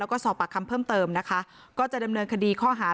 แล้วก็สอบปากคำเพิ่มเติมนะคะก็จะดำเนินคดีข้อหา